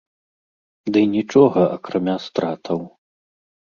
Ды нічога, акрамя стратаў.